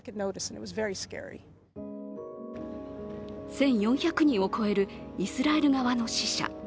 １４００人を超えるイスラエル側の死者。